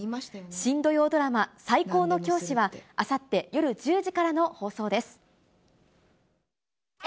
新土曜ドラマ、最高の教師は、あさって夜１０時からの放送です。